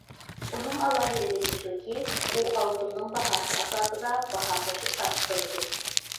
ئۇنىڭ ئالاھىدىلىكى شۇكى، ئۇ ئالتۇننىڭ باھاسى ئاساسىدا باھا قوشۇپ تارقىتىلىدۇ.